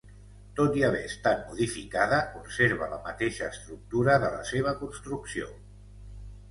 Tot i haver estat modificada conserva la mateixa estructura de la seva construcció.